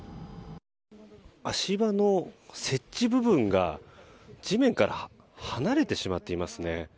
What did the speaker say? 足場の設置部分が地面から離れてしまっていますね。